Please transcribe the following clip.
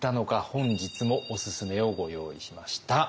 本日もおすすめをご用意しました。